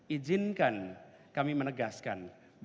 ijinkan kami menegaskan bahwa jakarta